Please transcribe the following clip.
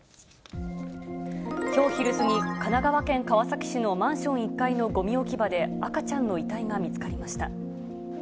きょう昼過ぎ、神奈川県川崎市のマンション１階のごみ置き場で、赤ちゃんの遺体が見つかりました。